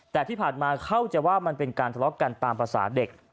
แต่ที่ผ่านมาเข้าใจว่ามันเป็นการทะเลาะกันตามภาษาเด็ก